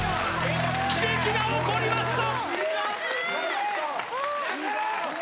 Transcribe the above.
奇跡が起こりました